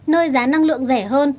nơi giá năng lượng rẻ hơn